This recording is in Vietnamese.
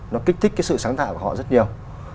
nó kích thích cái sự sáng tạo của họ rất nhiều